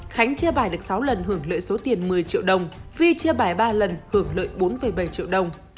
khánh chia bài được sáu lần hưởng lợi số tiền một mươi triệu đồng phi chia bài ba lần hưởng lợi bốn bảy triệu đồng